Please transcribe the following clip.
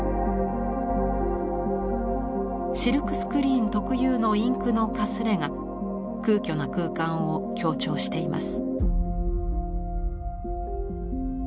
シルクスクリーン特有のインクのかすれが空虚な空間を強調しています。